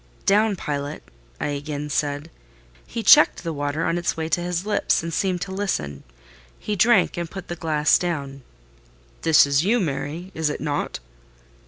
"Down, Pilot!" I again said. He checked the water on its way to his lips, and seemed to listen: he drank, and put the glass down. "This is you, Mary, is it not?"